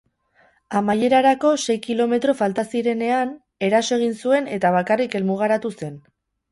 Amaierarako sei kilometro falta zirenean, eraso egin zuen eta bakarrik helmugaratu zen.